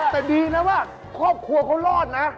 แต่ดีนะว่าครอบครัวเขารอดนะ